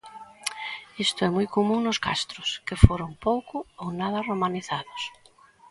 Isto é moi común nos castros que foron pouco ou nada romanizados.